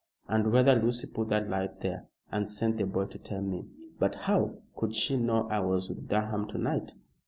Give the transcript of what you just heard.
"And whether Lucy put that light there, and sent the boy to tell me. But how could she know I was with Durham to night?"